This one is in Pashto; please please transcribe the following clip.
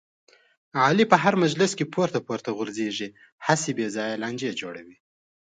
علي په هر مجلس کې پورته پورته غورځېږي، هسې بې ځایه لانجې جوړوي.